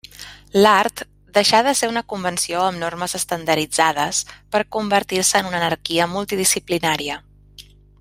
L'art deixà de ser una convenció amb normes estandarditzades per convertir-se en una anarquia multidisciplinària.